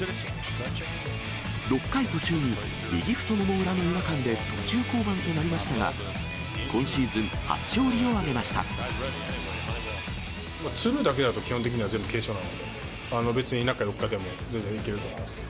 ６回途中に右太もも裏の違和感で途中降板となりましたが、つるだけだったら、基本的に全部軽傷なので、別に中４日でも全然いけると思います。